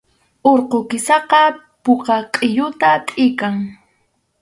Urqu kisaqa puka qʼilluta tʼikan